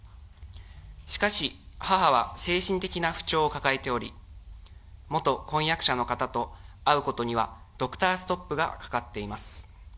しかし母は精神的な不調を抱えており、元婚約者の方と会うことにはドクターストップがかかっています。